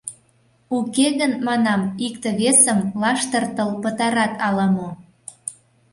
Уке гын, манам, икте-весым лаштыртыл пытарат ала-мо.